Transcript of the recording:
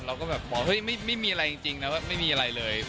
เราก็แบบบอกเฮ้ยไม่มีอะไรจริงนะว่าไม่มีอะไรเลย